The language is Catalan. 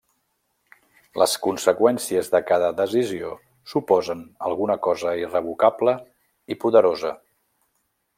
Les conseqüències de cada decisió suposen alguna cosa irrevocable i poderosa.